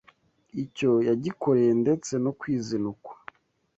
icyo yagikoreye ndetse no kwizinukwa,